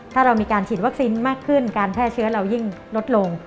ถ้าเรามีการฉีดวัคซีนมากขึ้นการแพร่เชื้อเรายิ่งลดลง